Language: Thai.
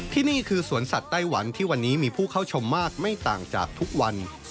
นี่คือสวนสัตว์ไต้หวันที่วันนี้มีผู้เข้าชมมากไม่ต่างจากทุกวัน